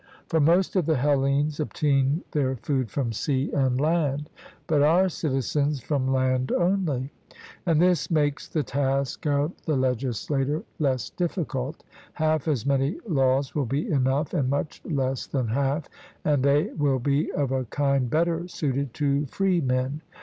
For most of the Hellenes obtain their food from sea and land, but our citizens from land only. And this makes the task of the legislator less difficult half as many laws will be enough, and much less than half; and they will be of a kind better suited to free men.